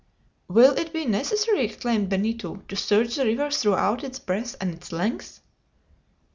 "Will it be necessary," exclaimed Benito, "to search the river throughout its breadth and its length?"